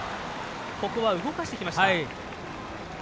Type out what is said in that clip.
ここは動かしてきました。